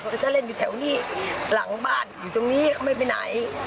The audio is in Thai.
ก็จะเล่นอยู่แถวนี้หลังบ้านอยู่ตรงนี้เขาไม่ไปไหน